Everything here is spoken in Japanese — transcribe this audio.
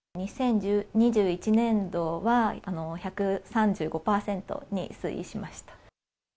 ２０２１年度は、１３５％に推移しました。